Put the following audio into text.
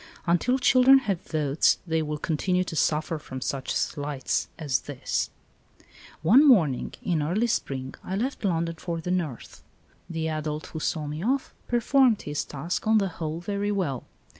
Until children have votes they will continue to suffer from such slights as this ! One morning in early spring I left London for the north. The adult who saw me off performed his task on the whole very well.